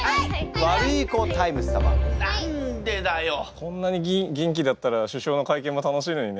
こんなに元気だったら首相の会見も楽しいのにね。